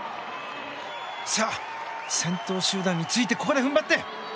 さあ、先頭集団についてここで踏ん張って！